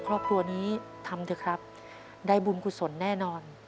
ครอบครัวนี้ทำเถอะครับได้บุญกุศลแน่นอน